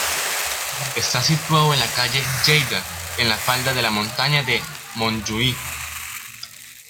Está situado en la calle Lleida, en la falda de la montaña de Montjuic.